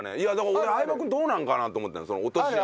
俺相葉君どうなのかなと思ったの落とし穴。